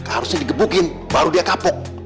harusnya digebukin baru dia kapok